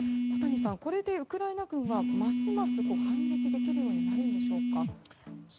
小谷さん、これでウクライナ軍はますます反撃できるようになるんでしょうか？